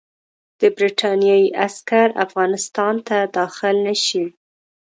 د برټانیې عسکر افغانستان ته داخل نه شي.